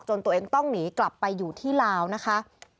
ตัวเองต้องหนีกลับไปอยู่ที่ลาวนะคะ